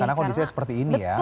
karena kondisinya seperti ini ya